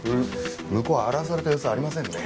向こうは荒らされた様子はありませんね。